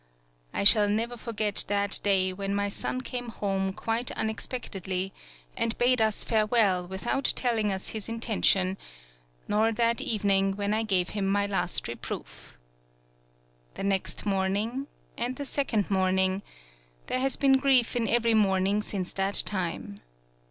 I shall never forget that day when my son came 143 PAULOWNIA home quite unexpectedly, and bade us farewell without telling us his intention, nor that evening when I gave him my last reproof. The next morning, and the second morning there has been grief in every morning since that time.